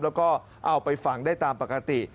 แล้วก็เอาไปฝังได้ตามปกติ